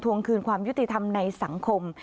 วงคืนความยุติธรรมในสังคม